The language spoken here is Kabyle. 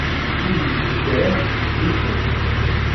Ur yessefk ara ad tettkeyyifemt.